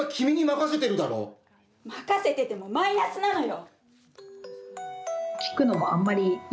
任せててもマイナスなのよ。